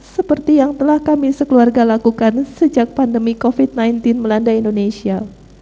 seperti yang telah kami sekeluarga lakukan sejak pandemi covid sembilan belas melanda indonesia